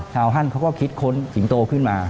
ฮั่นเขาก็คิดค้นสิงโตขึ้นมา